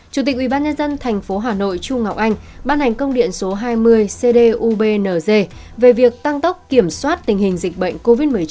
chủ tịch ubnd tp hà nội chu ngọc anh ban hành công điện số hai mươi cdubng về việc tăng tốc kiểm soát tình hình dịch bệnh covid một mươi chín